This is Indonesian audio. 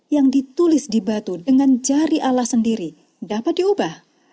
yang ditulis di batu dengan jari allah sendiri dapat diubah